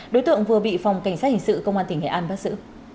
đối tượng vừa bị phòng cảnh sát hình sự công an tỉnh nghệ an bắt giữ